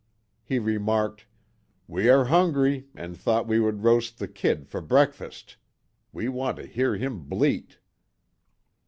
He remarked: "We are hungry, and thought we would roast the 'Kid' for breakfast. We want to hear him bleat."